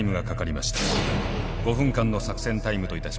５分間の作戦タイムといたします。